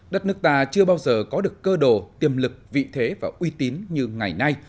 đất nước ta chưa bao giờ có được cơ đồ tiềm lực vị thế và uy tín như ngày nay